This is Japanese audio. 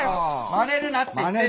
まねるなって言ってんだ。